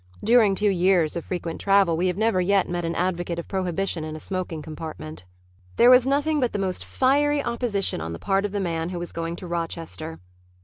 During two years of frequent travel we have never yet met an advocate of Prohibition in a smoking compartment. There was nothing but the most fiery opposition on the part of the man who was going to Rochester.